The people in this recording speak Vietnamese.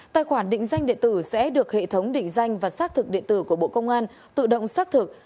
tài khoản định danh điện tử sẽ được hệ thống định danh và xác thực điện tử của bộ công an tự động xác thực